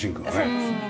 そうですね。